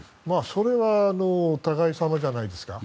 それはお互い様じゃないですか。